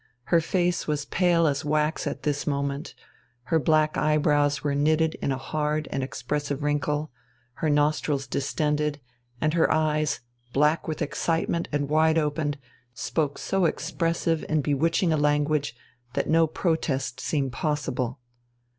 Her face was as pale as wax at this moment, her black eyebrows were knitted in a hard and expressive wrinkle, her nostrils distended, and her eyes, black with excitement and wide opened, spoke so expressive and bewitching a language that no protest seemed possible.